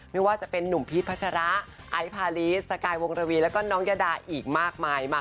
ไม่ว่าจะเป็นนุ่มพีชพัชระไอซ์พาลีสกายวงระวีแล้วก็น้องยาดาอีกมากมายมาก